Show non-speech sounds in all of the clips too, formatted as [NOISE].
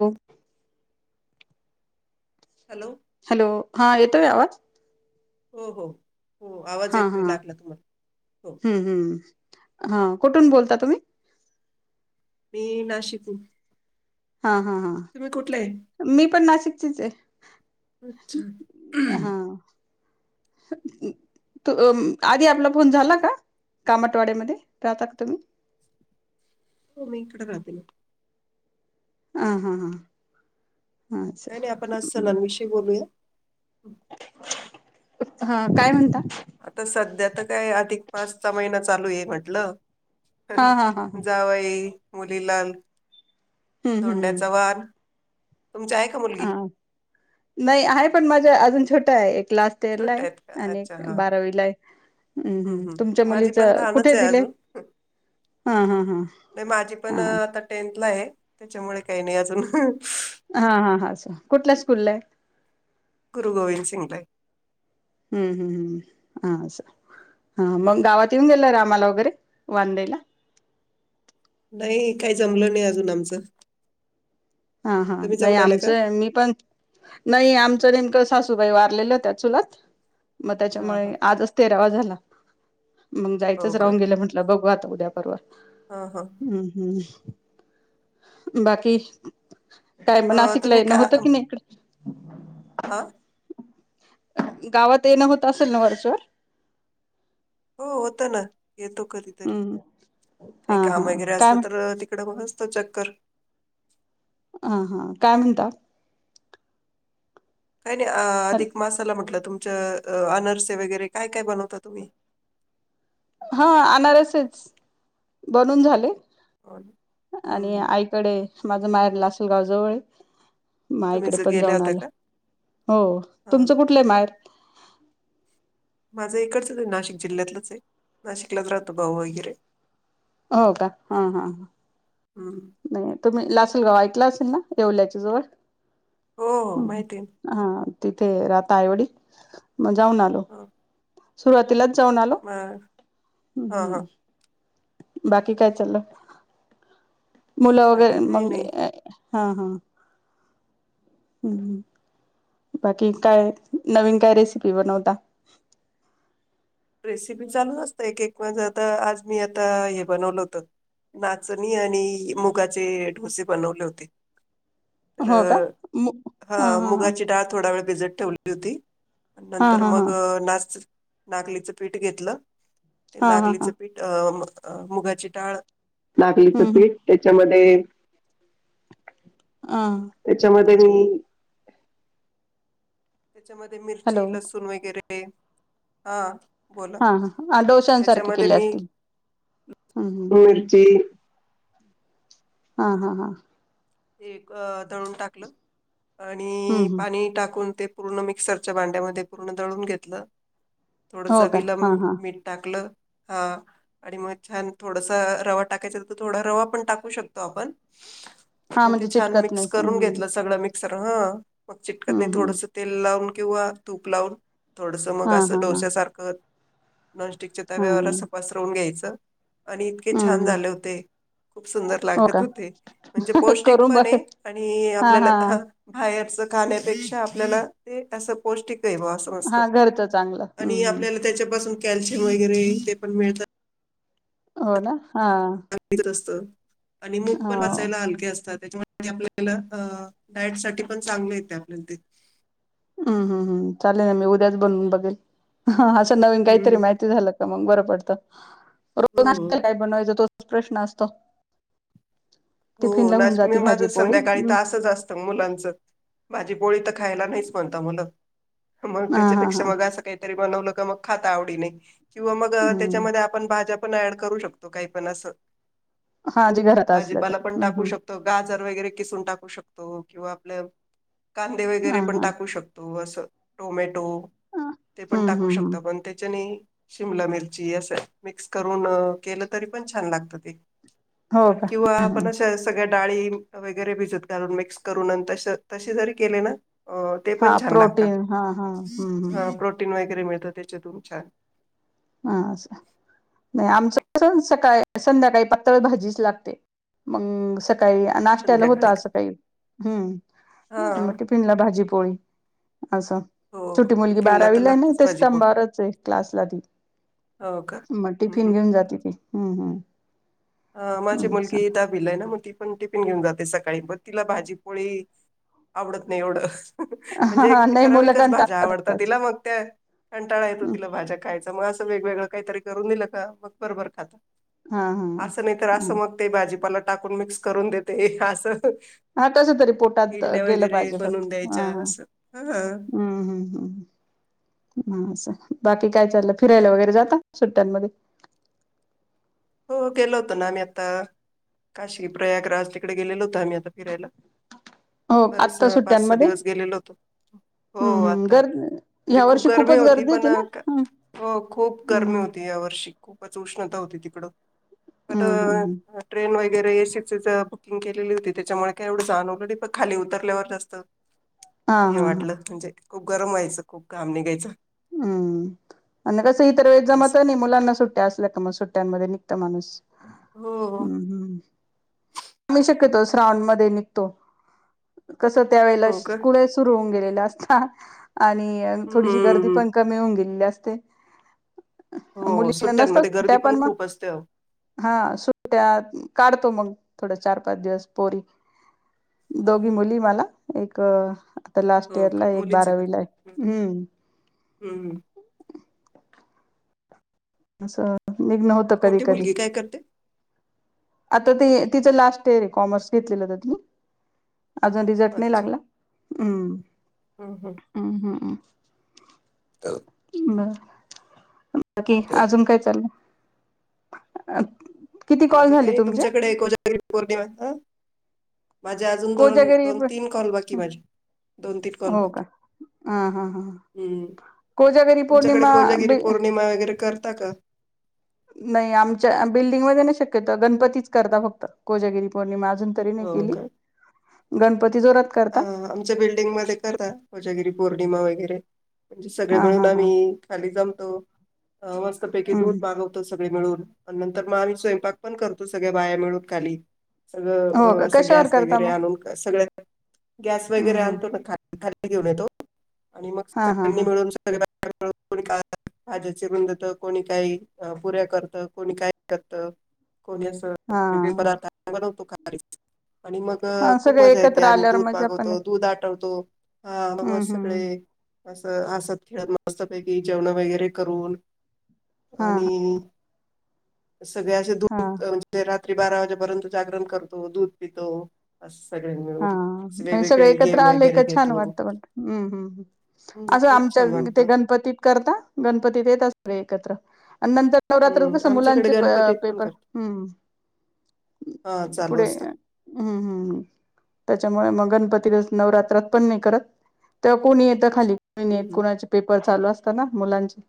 ह hello! Hello हा येतोय आवाज. होओ हो. हो आवाज हा हा येतोय लागला तुम्हाला हो हम्म हम्म हा. कुठून बोलता तुम्ही. मी नाशिक ऊन. हा हा हा मी पण नाशिक ची चआहे अच्छा हा. त आधी आपला फोन झाला का कामाठवाड्यामध्ये राहतात तुम्ही. हो मी इकडे राते ना. आा हा हा. हा अच्छा का नाही आपण आज बर. सहज विषयी बोलूया. [UNINTELLIGIBLE] हा काय म्हणता. आता सध्या तर काय अधिक मासा महिना चालू आहे म्हटलं. हा हा हा ह जावय. मुलीला. धों ड्याचा वान. अ नाही आहे पण माझ्या अजून छोट्या. एक. लास्ट इयरला छोट आहे आणि बारावी ला आहे. हम्म हम्म हम् हम् तुमच्या माझी मुलीच पण कुठे लहानच आहे दिले अजून हा हा हा माझी पण हा आता टेन्थला आहे. त्याच्यामुळे काही नाही अजून. हा हा हा कुठल्या स्कूलला आहे. गुरु गोविंद सिंगला. हम्म हम् हम् हा असं हा मग गावात येऊन गेल रामाला वगैरे वनदेला. नाही काही जमलं नाही अजून आमचं. हा हा तुम्ही नाही जाऊन आले का? आमचं मी पण नाही आमचं नेमकं. सासूबाई वारलेल्या होत्या चुलत. मग हा त्याच्यामुळे हा आजच तेरावा झाला. मग जायचंच हो का? राहून गेलं म्हटलं बघू आता. उद्या, परवा हा हा. हम्म हम्. बाकी, काय मग अ नाशिकला तुम्ही येणं का होतं की नाही इकड? आ गावात येणं होत असेल ना वरचेवर हो होत ना. येतो कधीतरी हम्म काही हा काम हा वगैरे काय असलं तर, इकड पण असत चक्कर आ हा काय म्हणता? काही नाही अधिक मासाला म्हटलं. तुमच्या आनरसे वगेरे काय काय बनवता तुम्ही? हा आनारसेच बनवून झाले. हो ना. आणि हम्म आईकडे माझ माहेर ला अस गाव जवळ हाय. माई तुम्ही कडे ज पण गेल्या जाऊन होत्या आला, का? हो हा तुमचं कुठलंय माहेर? माझं इकडचच आहे नाशिक जिल्ह्यातलंच आहे, नाशिकलाच राहतो भाऊ वगैरे. ओ का हा हा हा. हम्म नाही तुम्ही लासल गावा ऐकला असल. असल ना एवल्याच्या जवळ हो हो माहिती आहे ना. हम् आ आ. तिथे राहता आईवडील म जाऊन आलो. हा सुरत. तिलाच जाऊन आलो.. म हा ह्म्म्म हा ह्म्म्म.. बाकी काय चाललं. मुलं वगैरे बाकी काही मंग नाही. ए.. हा हा.. हम्म हम्. बाकी काय नवीन काय रेसिपी बनवता? रेसिपी चालू असत. एक एक म्हणजे आता आज मी आता हे बनवलं होत, नाचणी आणि मुगाचे ढोसे बनवले होते. तर हो का? मु हा हा मुगाची डाळ थोडा वेळ भिजत ठेवली होती. हा नंतर हा हा मग नाच नागली. च पीठ घेतलं. ते हा हा नागलीच हा पीठ अ. अ मुगाची दाळ. नागलीचं हम्म हम्म पीठ त्याच्यामध्ये- ते.. हा त्याच्यामध्ये मी. त्याच्यामध्ये मिरची हॅलो लसूण वगैरे. ते.... हा.. बोला हा ह डोशांसारखे त्याच्यामध्ये केले मी असतील. हम्म हम् मिरची हा.. हा.. हा.. एक अ-दळून टाकलं. हम्म आणि हम्म पाणी टाकून ते- पूर्ण मिक्सरच्या भांड्यामध्ये पूर्ण दळून घेतलं. थोड हो का चवीला हा हा मी-मीठ टाकलं. हा आणि मग छान थोडस रवा टाकायचा तर थोडा रवा पण टाकू शकतो आपण. हा मग ते म्हणजे छान चिटकत मिक्स नाही करून हम्म घेतलं सगळं मी. सर्व हा.. मग चिटकत नाही हम्म हम्म थोडंसं तेल लावून- किंवा तूप लावून. थोडसं मग हा असं हा हा डोस्यासारखं. नॉनस्टिकच्या हा तव्यावरच हम्म पसरवून घ्यायचं. तर आणि इतके छान हम्म झाले होते खूप सुंदर हो लागत का होते म्हणजे पौष्टिक करून बघ पण आहे आणि हा आपल्याला हा काही असलं खाण्यापेक्षा आपल्याला ष्पौष्टिक अस मस्त हा घरचं चांगलं आणि हम्म हम्म आपल्याला त्याच्यापासून कॅल्शियम वगैरे ते पण मिळतात हो ना हा [UNINTELLIGIBLE] कत असत [INAUDIBLE] आणि मूग पण हो पचायला हलके असतात त्याच्या आपल्याला अ डायट साठी पण चांगले येते आपल्याला ते हम् हम्म हम् चालेल ना मी उद्याच बनून बघेल नविन काहीतरी हम्म माहिती झालं का मग बरं पडत तर रोज हो नाश्त्याला काय बनवायच तो तोच प्रश्न असतो हो टिफिनला होऊन नाश मी जाते माझ भाजी पोळी संध्याकाळी तर हम्म असच असतं मुलांच माझी पोळी तर खायला नाहीच म्हणता मला मग हा हा त्याच्यापेक्षा हा मग असं काहीतरी बनवलं मग खात आवडी नाही किंवा मग हम्म त्याच्यामध्ये आपण भाजप पण ऍड करू शकतो काही पण अस हा जे घरात असलं तर पण हम्म टाकू हम्म शकतो गाजर वगैरे किसून टाकू शतो किंवा आपल्या कांदे हा वगैरे पण हा टाकू शकतो अस टोमॅटो ते पण हम्म टाकू हम्म शकत हम्म पण त्याच्याने शिमला मिरची असं मिक्स करून केलं तरी पण छान लागत ते हो का किंवा ह पण आपण अशा सगळ्या डाळी वगैरे भिजत घालून मिक्स करून आणि त तसे जरी केले ना अ ते पण हा छान लागतात प्रोटीन हा हा हम्म हम्म प्रोटीन वगैरे मिळ प तुमच्या हा नाही आमचं सकाळी संध्याकाळी पातळ भाजीच लागते मग सका काही, नाश्त्याला होत संध्याकाळी का? असं काही! हा हम्म. मग टिफिनला भाजी. पोळी. असं हो छोटी मुलगी टिफिनला तर बारावीला आहे ना! लागतेच इथे भाजी पोळी स्तंभवरच आहे क्लासला ती. हो का? मग हं टिफिन हं. घेऊन जाते ती. हम् हम्. माझी मुलगी दाहवीला आहे ना मग ती पण टिफिन घेऊन जाते सकाळी. सकाळी पन तिला भाजीपोळी आवडत नाही एवढं. हा म्हणजे हा नाही मुलं ठराविकच भाज्या आवडतात कंटाळतात तिला मग त्या कंटाळा येतो हम्म. तिला भाज्या खायच मग अस. वेगवेगळं काहीतरी करून दिलं का मग बरोबर खाता. हा हा असं! नाही तर हा असं मग ते भाजीपाल. टाकून मिक्स करून देते असं. हा कस तरी पोटात इडल्या गेलं वगैरे पाहिजे बनवून फक्त ह ह द्यायच्या असं. हा हम्म हम्म हम्म हम्म चला. बाकी काय चाललं फिरायला वगैरे जाता सुट्ट्यांन मध्ये? हो गेलं होतं ना आम्ही आता काशी प्रयागराज तिकडे गेलेलो होतो आम्ही आता फिरायला. हो बरेच आत्ता पाच स सुट्ट्यांमध्ये दिवस गेलेल होतो हो हम्म हम्म आता गर म्हणजे ह्या खूप वर्षी गर्मी खूपच होती गर्दी पण ना क हम्म हो खूप गर्मी हम्म होती या वर्षी खूपच उष्णता होती. तिकडं. [UNINTELLIGIBLE] पण हम्म हम्म ट्रेन वगैरे. [UNINTELLIGIBLE] ए सी च बुकिंग केलेली होती त्याच्यामुळे एवढ जाणवलं नाही पण खाली उतरल्यावर जास्त. हा हे हा हा वाटलं म्हणजे. खुप गरम व्हायचं खुप घाम निघायचं. हम आणि कसं इतर वेळी जमत असं नही मुलांना सुट्ट्या असल्या का मग सुट्ट्यांमध्ये. त माणूस. हो हम्म हम्म आम्ही हो शक्यतोवर श्रावण मध्ये. तो. कसं त्यावेेळेला हो का स्कूल सुरू होऊन गेलेत. [UNINTELLIGIBLE] आणि थोडीशी गर्दी. हम्म पण कमी होऊण गेली अस. ते. हो मुलीना नसत सुट्ट्यांमध्ये सु्ट्या गर्दी पण मग खूप असते अहो हा सुट्ट्या काढतो मग. थोडं चार पाच दिवस पोरी दोघी मुली मला एक. लास्ट हो इयर का ला एक मुलीच आहे का बारावी ला हे दोघी हम्म. हम्म. असा. निघ्न होत कधी मोठी कधी. मुलगी काय करते आता ते तिचं लास्ट इयर आहे कॉमर्स घेतलेलं होत तिने. अजा रिझल्ट नाही अच्छा लागला हम्म हम्म हम्म हम्म. हम्म ह [UNINTELLIGIBLE] बाकी अजून काय चाललं? अ [UNINTELLIGIBLE] बाकी काय नाही तुमच्याकडे एकोजागरी पौर्णिमा ह. माझे अजून दोन कोजागरी दोन तीन कॉल बाकी माझे दोन तीन कॉल हो का बाकी हा हा हा हम्म कोजागरी तुमच्याकडे पौर्णिमा कोजागिरी बे पौर्णिमा वगैरे करता का? नाही आमच्या बिल्डिंगमध्येध्ये नाही शक्यत गणपतीच करता फक्त कोजागिरी पौर्णिमा अजून तरी नाही केली. गणपती जोरात करता ह आमच्या बिल्डिंग मध्ये करता कोजागिरी पौर्णिमा वगै वगैरे म्हणजे सगळे हा मिळून हा हा आम्ही खाली जा मस्तपैकी दूध हम्म मागवत सग मिळून नंतर मग आम्ही स्वयंपाक पण करतो सगळ्या बाया मिळून खाली हो सगळं का असं कशावर गॅस करता वगैरे मग आणून सगळ ह गॅस वगैरे हम्म हम्म आणतो ना खा खाली घेऊन येतो आणि मग हा हा सगळ्यांनी हा मिळून सगळ कोणी का आज्या चि रुधत कोणी काही पुऱ्या करतं कोणी काय करत कोणी हा पदार्थ बनवत ह आणि मग हा खूप सगळे मजा येते एकत्र आम्ही आल्यावर दूध मजा पण पागवतो आहे दूध आठवतो हा हम्म हम्म सगळे असं हसत खेळत मस्तपैकी जेवण वगैरे करून हा आणि सगळ्या अस हा दूध म्हणजे रात्री बारा वाजेपर्यंत जागरण करतो दूध पितो सगळे हा मिळून म्हणजे सगळे वेगवेगळे एकत्र गेम वगैरे आलं छान घेतो वाटतं हम् हम्म हम्म, असं खूप आमच्या छान ते वाटतं गणपतीत करता गणपतीत येतात सगळे एकत्र आणि नंतर नवरात्र हम्म कसं आमच्याकडे मुलांचे गणपतीत पण पेपर करतात हम्म हा चालू पुढे असतं. हम्म हम्म हम् त्याच्यामुळे मग गणपती नवरात्रात पण नाही करत तेव्हा कोणी येतं खाली हं हं कुणाचे पेपर चालू असतातना मुलांची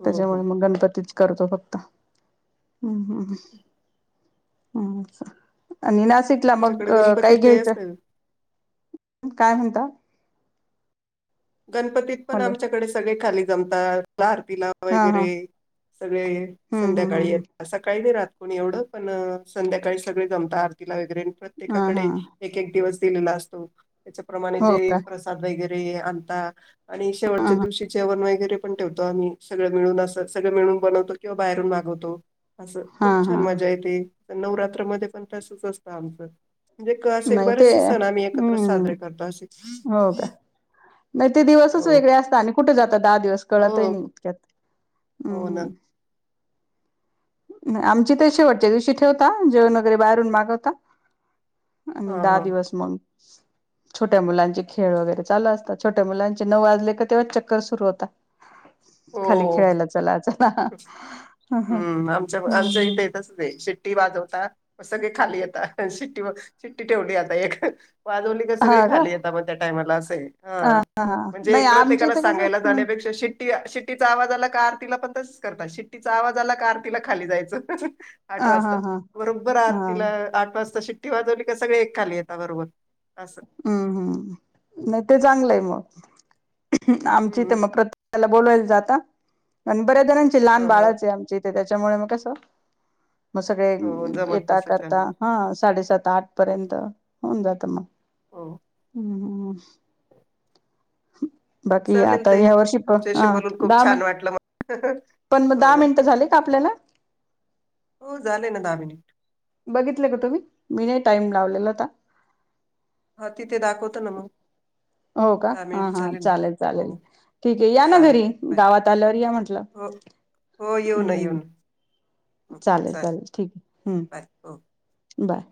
हो त्याच्यामुळे हो मग गणपतीत करतो फक्त हम्म हम् हम्च् आणि नाशिकला मग आमच्याकडे अ गणपती काही ते घ्यायचं असते काय म्हणता गणपतीत पण हॅलो आमच्याकडे सगळे खाली कमता आरतीला हा हा वगैरे सगळे हम्म हम्म संध्याकाळी हम्म येतात सकाळी नाही राहत कोणी एवढं पण संध्याकाळी सगळे जमत आरतीला वगैरे अन हा हा प्रत्येकाकडे एक एक दिवस तिनलास्तो त्याच्याप्रमाणे हो ते का प्रसाद वगैरे ते अ ता आणि हा शेवटच्या हा दिवशी जेवण वगैरे ते पण ठेवतो आम्ही सगळ मिळून सगळ मिळून बनवतो किंवा बाहेरून मागवतो असं हा खूप छान हा मजा येते तर नवरात्रमध्येध्ये पण तसच असतं आमचं म्हणजे क असे नाही ते बरेचसे सण आम्ही एकत्र हम्म साजरे करतो असे हो का नाही ते दिवसच हो वेगळे असतात आणि कुठे जातात दहा दिवस हो कळतहि नाही हम्म हो ना हम्म आमची ते शेवटच्या दिवशी ठेवता जेवण वगैरे बाहेरून मागवता हा आणि दहा हा दिवस मग छोट्या मुलांचे खेळ वगैरे चालू असतात छोट्या मुलांचे न वाजले का तेव्हा चक्कर सुरू होता खाली हो खेळायला चलाच हम हम अज तेेतच शिट्टी वाजवतात सगळी खाली आता शिट्टी शिट्टी ठेवली आता एक वाजवली सगळे हा का खाली येत मग त्या टायमाला असे हा हा म्हणजे नाही एक आमच्या प्रत्येकाला इथं कसं सांगायला हम्म जाण्यापेक्षा शिट्टी शिट्टीचा आवाज आला कार तिला पण त ात शिट्टीचा आवाज आला का आरतीला खाली जायचं आठ हा हा वाजता हा बरोबर हा आरतीला आठ वाजता शिक शिटी वाजवली का सगळे एक खाली येता बरोबर असं हम्म हम्म नाही ते चांगलं आहे मग आमची ते हम्म मग प्रत बोलवायला जाता अन बऱ्या जणांचे लहान ह बाळाचे आ आमचे त्या त्याच्यामुळे मग कसं मग सगळे हो जमत येता नसेल करता त्यांना हा साडेसात आठ हम्म, पर्यंत होऊन जात मग हो हम् ह बाकी चालेल आता ताई ह्या वर्षीय तुमच्याशी पण बोलून खूप दाम छान आहे वाटलं हो आपल्याला हो झाले ना दहा मिनिट बघितलं का तुम्ही मी नाही टाईम लावलेलाता हा तिथे दाखवतो ना मग हो का दहा हा मिनिट हा झाले ना चालेल हो चालेल ठीक आहे या ना चालेल घरी बाय गावात आल्यावर या म्हंटलं हो हो येऊ ना हम् येऊ हम् ना चालेल चालेल ठीक आहे हम्म बाय हो बाय